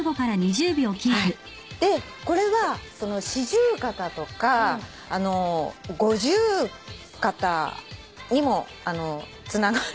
これは四十肩とか五十肩にもつながる肩回り。